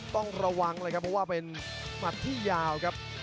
ต้องระวังเพราะเป็นหมัดที่ยาว